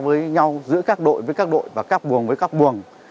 với nhau giữa các đội với các đội và các buồng với các buồng